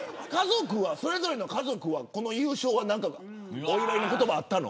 それぞれの家族は優勝はお祝いの言葉あったの。